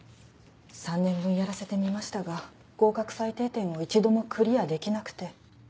３年分やらせてみましたが合格最低点を一度もクリアできなくて。